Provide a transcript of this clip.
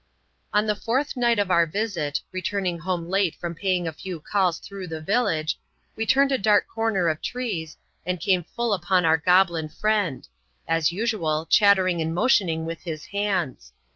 On the fourth night of our visit, returning home late from paying a few calls through the village, we turned a dark comer of trees, and came full upon our goblin friend ; as usual, chat tering and motioning with his hands.